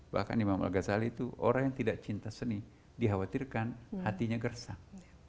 bahkan imam al ghazali itu orang yang tidak cinta seni dikhawatirkan hatinya gersang